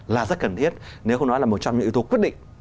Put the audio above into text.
là rất cần thiết nếu không nói là một trong những yếu tố quyết định